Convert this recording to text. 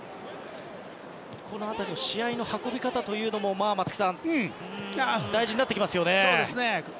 この辺りの試合の運び方というのも大事になってきますよね。